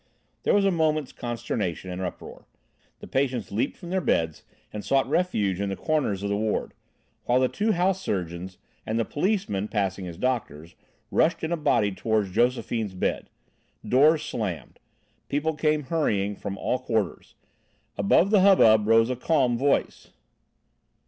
There was a moment's consternation and uproar. The patients leaped from their beds and sought refuge in the corners of the ward, while the two house surgeons and the policemen, passing as doctors, rushed in a body toward Josephine's bed. Doors slammed. People came hurrying from all quarters. Above the hubbub rose a calm voice.